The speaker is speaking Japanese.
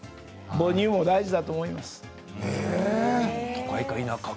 母乳も大事だと思います。